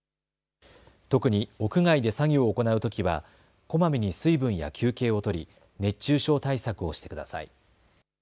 特に屋外で作業を行うときはこまめに水分や休憩をとり熱中症対策をしてください。